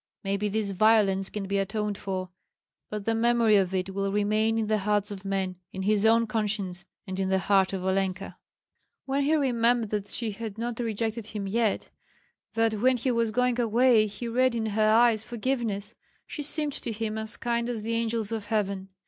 Maybe this violence can be atoned for; but the memory of it will remain in the hearts of men, in his own conscience, and in the heart of Olenka. When he remembered that she had not rejected him yet, that when he was going away he read in her eyes forgiveness, she seemed to him as kind as the angels of heaven.